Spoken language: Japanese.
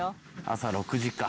「朝６時か。